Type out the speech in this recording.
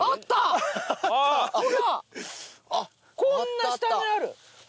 ほらこんな下にある。